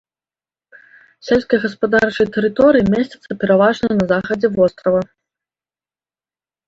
Сельскагаспадарчыя тэрыторыі месцяцца пераважна на захадзе вострава.